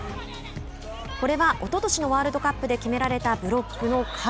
これはおととしのワールドカップで決められたブロックの数。